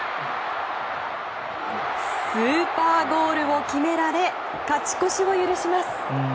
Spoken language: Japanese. スーパーゴールを決められ勝ち越しを許します。